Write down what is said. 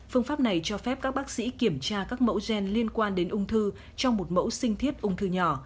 phương pháp này cho phép các bác sĩ kiểm tra các mẫu gen liên quan đến ung thư trong một mẫu sinh thiết ung thư nhỏ